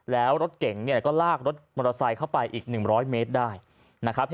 แล้วรถเก่งเนี่ยก็ลากรถมอเตอร์ไซค์เข้าไปอีก๑๐๐เมตรได้นะครับ